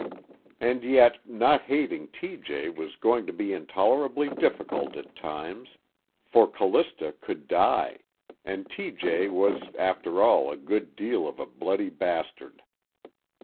And yet not hating T. J. was going to be intolerably difficult at times; for Callista could die, and T. J. was after all a good deal of a bloody bastard.